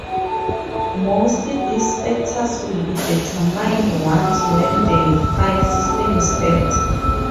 Mostly these factors will be determined once when the file system is built.